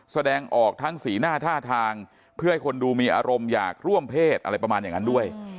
แสดงออกทั้งสีหน้าท่าทางเพื่อให้คนดูมีอารมณ์อยากร่วมเพศอะไรประมาณอย่างนั้นด้วย